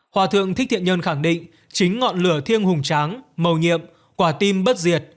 hòa thượng thích thiện nhơn khẳng định chính ngọn lửa thiêng hùng tráng màu nhiệm quả tim bất diệt